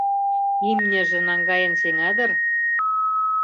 — Имньыже наҥгаен сеҥа дыр?